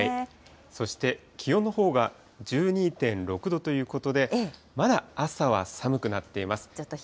そして気温のほうが１２．６度ということで、まだ朝は寒くなっています。